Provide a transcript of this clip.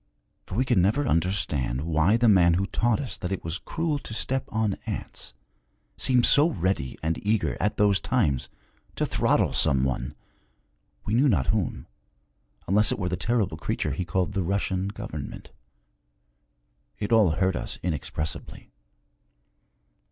For we could never understand why the man who taught us that it was cruel to step on ants, seemed so ready and eager, at those times, to throttle some one, we knew not whom, unless it were the terrible creature he called the Russian government. It all hurt us inexpressibly.